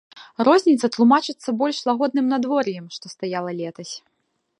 Розніца тлумачыцца больш лагодным надвор'ем, што стаяла летась.